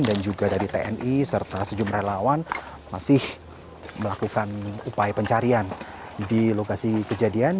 dan juga dari tni serta sejumlah lawan masih melakukan upaya pencarian di lokasi kejadian